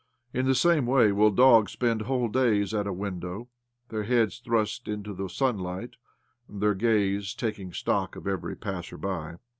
In the same way will dogs spend whole days at a window — their heads thrust into the sun іоб OBLOMOV light, and their gaze taking stock of every passer by.